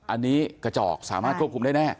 อันนี้กระจอกสามารถควบคุมได้แน่